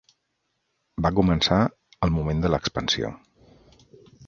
Va començar el moment de l'expansió